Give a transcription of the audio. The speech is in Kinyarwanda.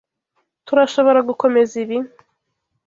Tturashoboragukomeza ibi?